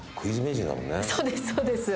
そうですそうです。